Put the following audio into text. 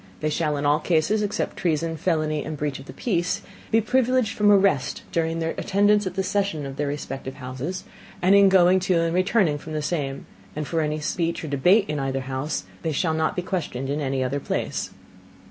They shall in all Cases, except Treason, Felony and Breach of the Peace, be privileged from Arrest during their Attendance at the Session of their respective Houses, and in going to and returning from the same; and for any Speech or Debate in either House, they shall not be questioned in any other Place.